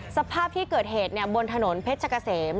สภาพที่เกิดเหตุบนถนนเพชรกะเสม